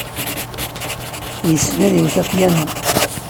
Yessen ad iwet apyanu.